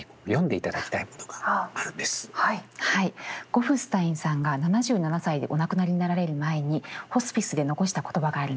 ゴフスタインさんが７７歳でお亡くなりになられる前にホスピスで残した言葉があるんですね。